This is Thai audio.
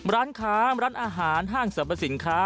ร้านค้าร้านอาหารห้างสรรพสินค้า